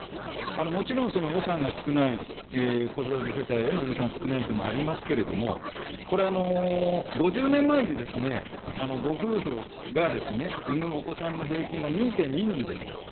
もちろん、その予算が少ない子育て世帯への予算少ないというのもありますけれども、これ、５０年前にですね、ご夫婦が産むお子さんの平均が２．２人でした。